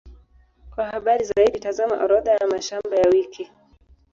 Kwa habari zaidi, tazama Orodha ya mashamba ya wiki.